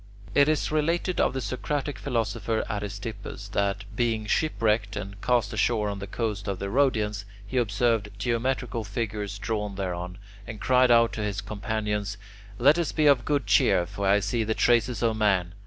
It is related of the Socratic philosopher Aristippus that, being shipwrecked and cast ashore on the coast of the Rhodians, he observed geometrical figures drawn thereon, and cried out to his companions: "Let us be of good cheer, for I see the traces of man."